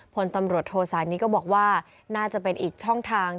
พลตำรวจโทษานิก็บอกว่าน่าจะเป็นอีกช่องทาง